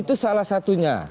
itu salah satunya